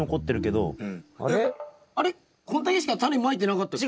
こんだけしかタネまいてなかったっけ？